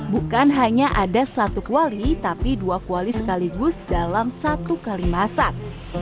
bukan hanya ada satu kuali tapi dua kuali sekaligus dalam satu kali masak